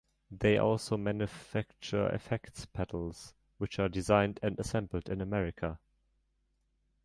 They also manufacture effects pedals which are designed and assembled in America.